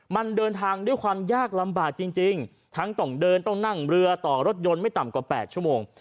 มันเดินทางด้วยความยากลำบากจริงทั้งต้องเดินต้องนั่งเรือต่อรถยนต์ไม่ต่ำกว่า๘ชั่วโมง